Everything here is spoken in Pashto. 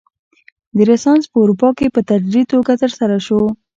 رنسانس په اروپا کې په تدریجي توګه ترسره شو.